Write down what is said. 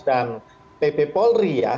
dan pb polri ya